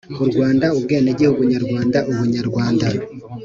U Rwanda Ubwenegihugu Nyarwanda Ubunyarwanda